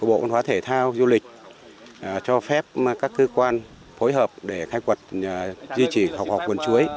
bộ ngoại hóa thể thao du lịch cho phép các cơ quan phối hợp để khai quật di trì khảo cổ học vườn chuối